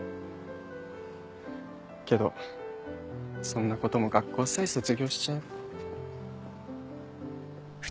けどそんなことも学校さえ卒業しちゃえば。